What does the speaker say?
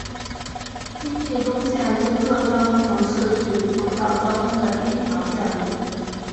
金义东线是浙中城市群轨道交通的第一条线路。